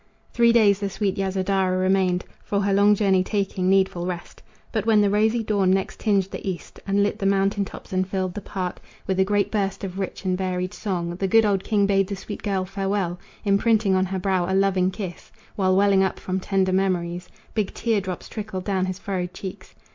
Three days the sweet Yasodhara remained, For her long journey taking needful rest. But when the rosy dawn next tinged the east And lit the mountain tops and filled the park With a great burst of rich and varied song, The good old king bade the sweet girl farewell, Imprinting on her brow a loving kiss, While welling up from tender memories Big tear drops trickled down his furrowed cheeks.